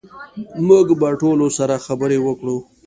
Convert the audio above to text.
موږ به ټولو سره خبرې وکړو